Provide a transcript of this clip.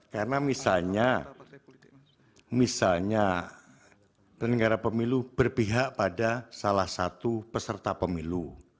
karena misalnya misalnya penenggara pemilu berpihak pada salah satu peserta pemilu